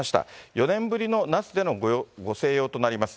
４年ぶりの那須でのご静養となります。